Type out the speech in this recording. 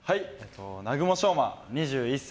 南雲奨馬、２１歳。